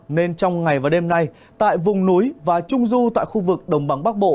nên trong ngày và đêm nay tại vùng núi và trung du tại khu vực đồng bằng bắc bộ